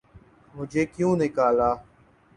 ''مجھے کیوں نکالا‘‘۔